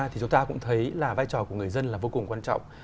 thì chúng ta cũng thấy là vai trò của người dân là vô cùng quan trọng